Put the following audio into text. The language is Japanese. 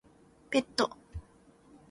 ペット